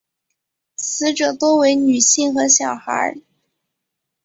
死者多为女性和小孩。